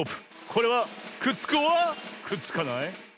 これはくっつくｏｒくっつかない？